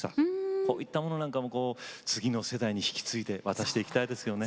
こういったものなんかも次の世代に引き継いで渡していきたいですよね。